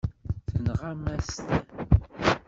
Tenɣam-as-t.